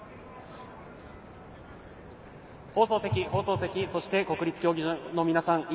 放送席、そして国立競技場の皆さん